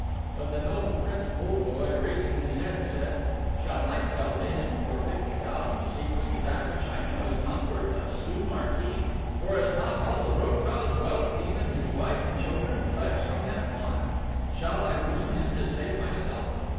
But the noble Prince BULLEBOYE, raising his head, said: "Shall I sell to him for fifty thousand sequins that which I know is not worth a SOO MARKEE? For is not all the BROKAH'S wealth, even his wife and children, pledged on that bond? Shall I ruin him to save myself?